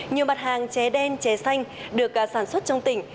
nhiều mặt hàng trẻ đen trẻ xanh được sản xuất trong tỉnh